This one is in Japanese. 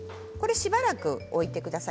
しばらく置いてください。